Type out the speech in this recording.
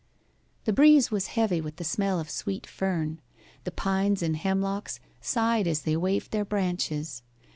The breeze was heavy with the smell of sweet fern. The pines and hemlocks sighed as they waved their branches.